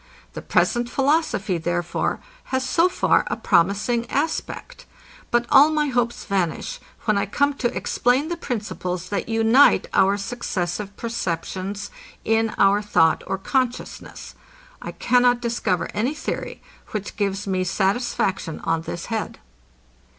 The present philosophy, therefore, has so far a promising aspect. But all my hopes vanish, when I come to explain the principles, that unite our successive perceptions in our thought or consciousness. I cannot discover any theory, which gives me satisfaction on this head.